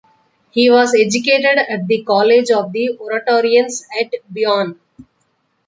He was educated at the college of the Oratorians at Beaune.